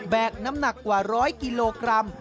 น้ำหนักกว่า๑๐๐กิโลกรัม